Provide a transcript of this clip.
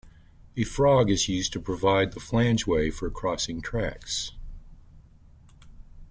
A frog is used to provide the flangeway for the crossing tracks.